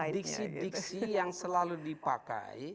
ini kan diksi diksi yang selalu dipakai